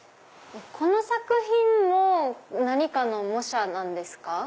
この作品も何かの模写なんですか？